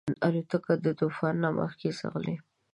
الوتکه د طوفان نه مخکې ځغلي.